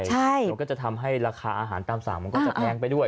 มันก็จะทำให้ราคาอาหารตามสั่งมันก็จะแพงไปด้วย